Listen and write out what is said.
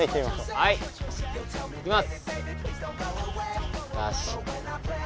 はい、いきます。